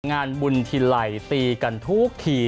งานบุญธิไหล่ตีกันทุกที